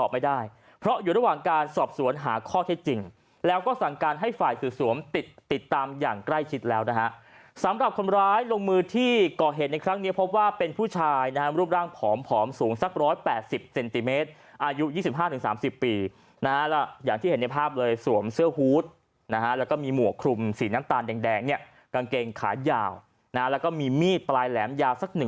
ไม่ได้เพราะอยู่ระหว่างการสอบสวนหาข้อใช้จริงแล้วก็สั่งการให้ฝ่ายสื่อสวมติดตามอย่างใกล้ชิดแล้วนะฮะสำหรับคนร้ายลงมือที่ก่อเหตุในครั้งนี้เพราะว่าเป็นผู้ชายนามรูปร่างผอมผอมสูงสัก๑๘๐เซนติเมตรอายุ๒๕๓๐ปีนะแล้วอย่างที่เห็นในภาพเลยสวมเสื้อหู้ดนะฮะแล้วก็มีหมวกคลุมสีน้ำตาลแดงเนี่ย